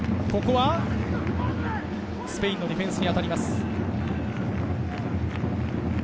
スペインのディフェンスに当たりました。